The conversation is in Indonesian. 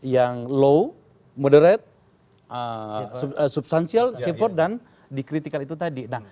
yang low moderate substantial simple dan dikritikal itu tadi